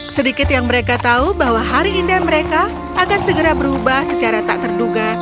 sedikit yang mereka tahu bahwa hari indah mereka akan segera berubah secara tak terduga